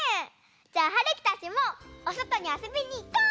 じゃあはるきたちもおそとにあそびにいこう！